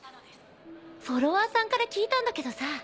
フォロワーさんから聞いたんだけどさ